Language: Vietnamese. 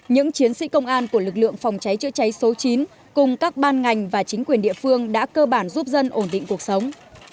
những chiến sĩ công an của lực lượng phòng cháy chữa cháy số chín cùng các ban ngành và chính quyền địa phương đã cơ bản giúp dân ổn định cuộc sống